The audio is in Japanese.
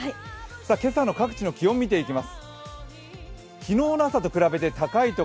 今朝の各地の気温を見ていきます。